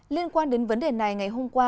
liên quan đến vấn đề này ngày hôm qua